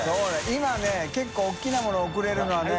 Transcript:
今ね結構大きなもの送れるのはね。